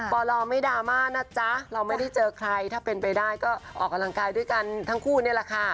ปลไม่ดราม่านะจ๊ะเราไม่ได้เจอใครถ้าเป็นไปได้ก็ออกกำลังกายด้วยกันทั้งคู่นี่แหละค่ะ